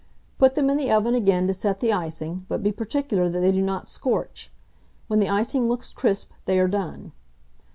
Put them in the oven again to set the icing, but be particular that they do not scorch: when the icing looks crisp, they are done.